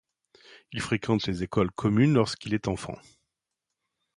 Il fréquente les écoles communes lorsqu'il est enfant.